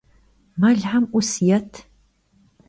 Melxem 'us yêt!